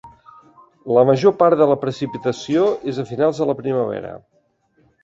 La major part de la precipitació és a finals de la primavera.